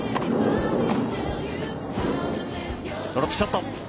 ドロップショット。